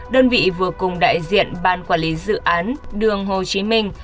đơn vị vừa cùng đại diện ban quản lý dự án đường hồ chí minh